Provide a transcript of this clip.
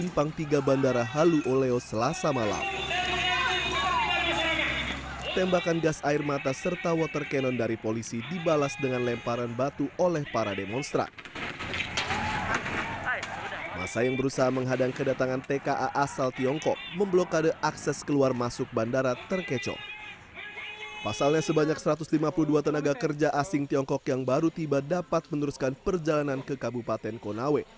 pasalnya sebanyak satu ratus lima puluh dua tenaga kerja asing tiongkok yang baru tiba dapat meneruskan perjalanan ke kabupaten konawe